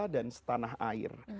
dan setanah air